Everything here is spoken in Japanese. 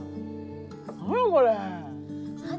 何これ。